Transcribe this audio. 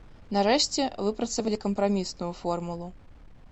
Нарэшце выпрацавалі кампрамісную формулу.